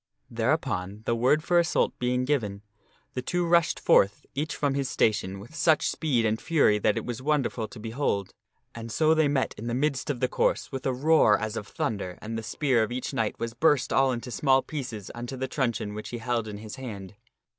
Thereupon, the word for assault being given, the two rushed forth, each from his station, with such speed and fury that it was wonderful to behold. And so they met in the midst of the course with a roar as of thunder, and the spear of each knight was burst all into small pieces unto the truncheon which he held in his hand.